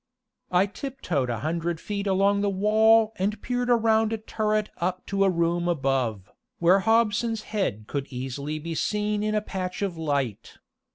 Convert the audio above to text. I tiptoed a hundred feet along the wall and peered around a turret up to a room above, where Hobson's head could easily be seen in a patch of light.